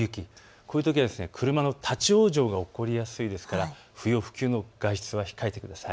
こういうときは車の立往生が起こりやすいですから不要不急の外出は控えてください。